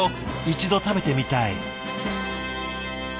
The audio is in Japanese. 一度食べてみたい。